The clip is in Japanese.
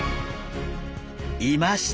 いました！